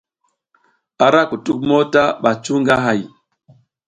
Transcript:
A ra kutuk mota ɓa cu nga hay.